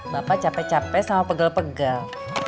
bapak capek capek sama pegel pegal